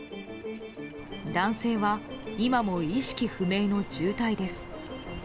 男性は今も意識不明の重体です。